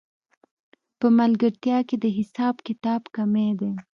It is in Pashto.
په ملګرتیا کې د حساب کتاب کمی دی